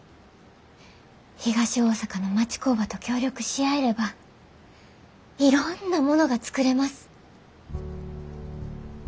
東大阪の町工場と協力し合えればいろんなものが作れます。